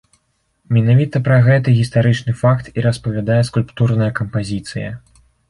Менавіта пра гэты гістарычны факт і распавядае скульптурная кампазіцыя.